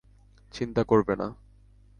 চিন্তা করবে না।